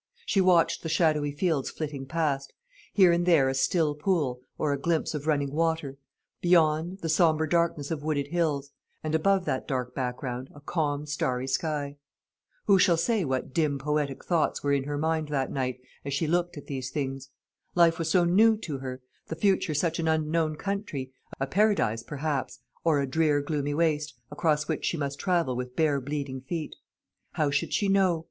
She watched the shadowy fields flitting past; here and there a still pool, or a glimpse of running water; beyond, the sombre darkness of wooded hills; and above that dark background a calm starry sky. Who shall say what dim poetic thoughts were in her mind that night, as she looked at these things? Life was so new to her, the future such an unknown country a paradise perhaps, or a drear gloomy waste, across which she must travel with bare bleeding feet. How should she know?